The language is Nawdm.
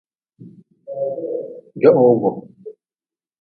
Johowgu.